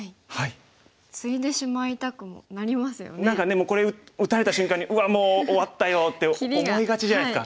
もうこれ打たれた瞬間に「うわっもう終わったよ」って思いがちじゃないですか。